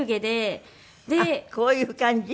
あっこういう感じ？